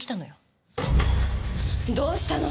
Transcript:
どうしたの？